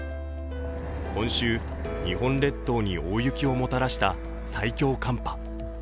今週、日本列島に大雪をもたらした最強寒波。